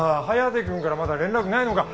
颯君からまだ連絡ないのか？